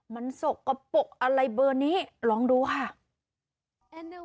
มันสกปรกอะไรเบอร์นี้ลองดูค่ะ